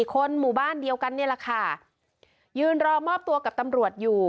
คนหมู่บ้านเดียวกันนี่แหละค่ะยืนรอมอบตัวกับตำรวจอยู่